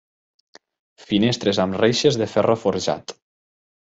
Finestres amb reixes de ferro forjat.